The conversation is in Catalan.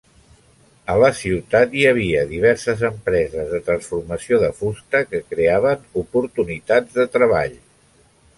A la ciutat hi havia diverses empreses de transformació de fusta que creaven oportunitats de treball.